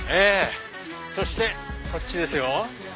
そしてこっちですよ。